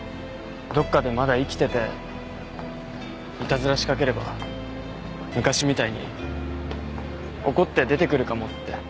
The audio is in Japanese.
どっかでまだ生きててイタズラ仕掛ければ昔みたいに怒って出てくるかもって。